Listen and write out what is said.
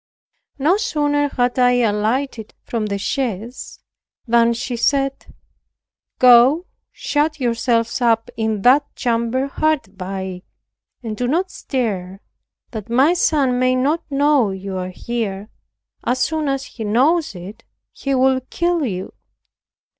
No sooner had I alighted from the chaise, than she said, "Go shut yourselves up in that chamber hard by, and do not stir, that my son may not know you are here; as soon as he knows it he will kill you."